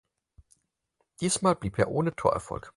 Diesmal blieb er ohne Torerfolg.